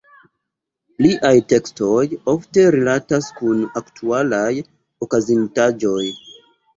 Liaj tekstoj ofte rilatas kun aktualaj okazintaĵoj.